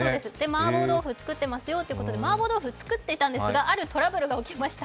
マーボー豆腐、作ってますよと、マーボー豆腐作ってたんですがあるトラブルが起きました。